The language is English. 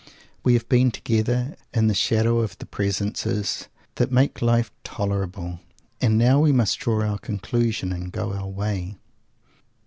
We have been together, in the shadow of the presences that make life tolerable; and now we must draw our conclusion and go our way.